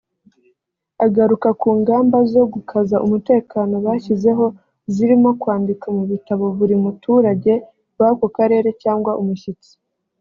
Agaruka ku ngamba zo gukaza umutekano bashyizeho zirimo kwandika mu bitabo buri muturage w’ako karere cyangwa umushyitsi